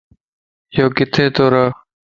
يوڪٿي تو ره؟